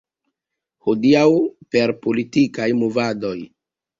Hodiaŭ per politikaj movadoj.